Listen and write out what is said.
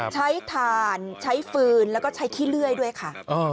ถ่านใช้ฟืนแล้วก็ใช้ขี้เลื่อยด้วยค่ะ